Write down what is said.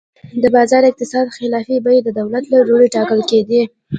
د بازار اقتصاد خلاف بیې د دولت له لوري ټاکل کېدې.